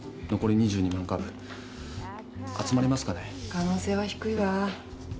可能性は低いわ。